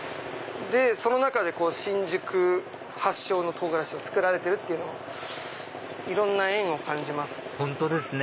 その中で新宿発祥の唐辛子が作られてるっていうのはいろんな縁を感じますね。